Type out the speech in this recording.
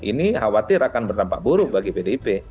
ini khawatir akan berdampak buruk bagi pdip